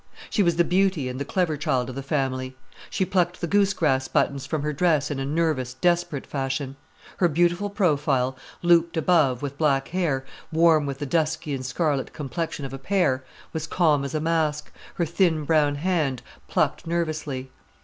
She was the beauty and the clever child of the family. She plucked the goose grass buttons from her dress in a nervous, desperate fashion. Her beautiful profile, looped above with black hair, warm with the dusky and scarlet complexion of a pear, was calm as a mask, her thin brown hand plucked nervously.